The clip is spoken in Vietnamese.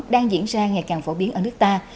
đang diễn ra ngày càng phổ biến ở nước ta